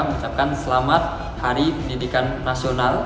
mengucapkan selamat hari pendidikan nasional